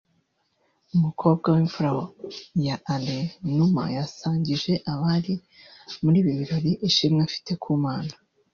umukobwa w’imfura ya Alain Numa yasangije abari muri ibi birori ishimwe afite ku Mana